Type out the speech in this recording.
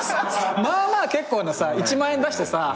まあまあ結構なさ１万円出してさ